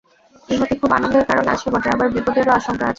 ইহাতে খুব আনন্দের কারণ আছে বটে, আবার বিপদেরও আশঙ্কা আছে।